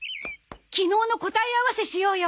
昨日の答え合わせしようよ。